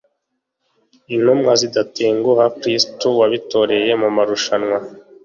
intumwa zidatenguha kristu wabitoreye mumarushanwa